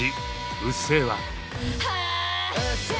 「うっせぇわ」！